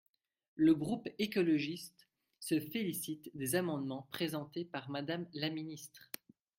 Le groupe écologiste se félicite des amendements présentés par Madame la ministre.